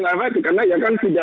ini adalah hal yang sangat penting